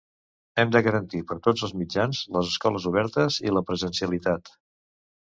Hem de garantir per tots els mitjans les escoles obertes i la presencialitat.